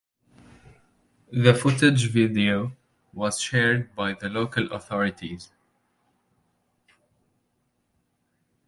The footage video was shared by the local authorities.